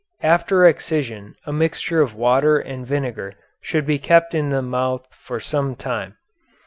After excision a mixture of water and vinegar should be kept in the mouth for some time.